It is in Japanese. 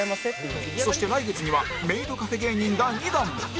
そして来月にはメイドカフェ芸人第２弾も